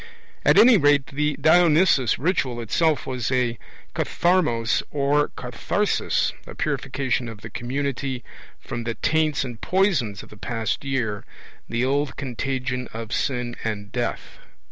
At any rate the Dionysus ritual itself was a katharmos or katharsis a purification of the community from the taints and poisons of the past year, the old contagion of sin and death.